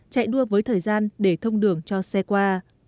thời gian để thông đường cho xe qua